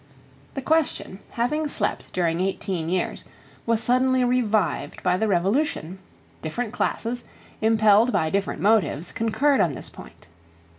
The question, having slept during eighteen years, was suddenly revived by the Revolution. Different classes, impelled by different motives, concurred on this point.